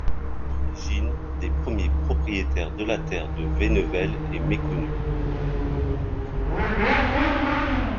L'origine des premiers propriétaires de la terre de Vénevelles est méconnue.